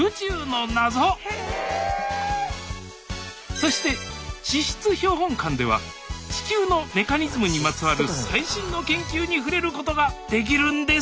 そして地質標本館では地球のメカニズムにまつわる最新の研究に触れることができるんです！